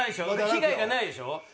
被害がないでしょ？